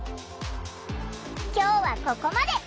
今日はここまで。